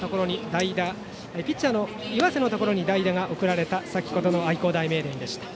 ピッチャーの岩瀬のところに代打が送られた先程の愛工大名電でした。